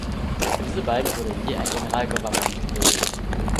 Für diese beiden wurde je ein Generalgouvernement gebildet.